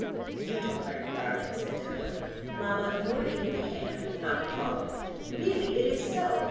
"You don't learn it, darling," said Dodo. "Mama, you are eating ham and have not been following. Really it is so.